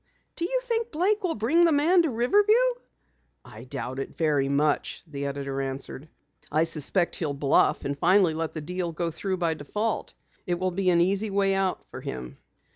"Do you think Blake will bring the man to Riverview?" "I doubt it very much," the editor answered. "I suspect he'll bluff, and finally let the deal go by default. It will be an easy way out for him."